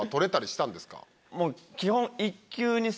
もう基本。